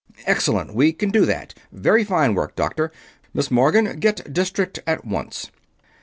"Excellent! We can do that very fine work, Doctor! Miss Morgan, get District at once!"